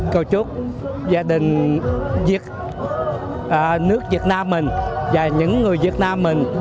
câu chúc gia đình việt nước việt nam mình và những người việt nam mình